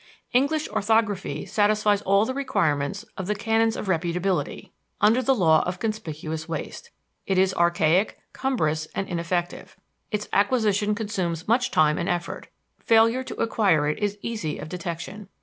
English orthography satisfies all the requirements of the canons of reputability under the law of conspicuous waste. It is archaic, cumbrous, and ineffective; its acquisition consumes much time and effort; failure to acquire it is easy of detection.